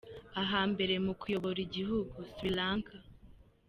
Aha mbere mu kuyobora igihugu : Sri Lanka.